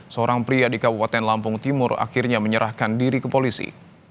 seorang pria di kabupaten lampung timur akhirnya menyerahkan diri ke polisi